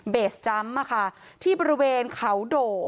เบสจัมป์ที่บริเวณเขาโด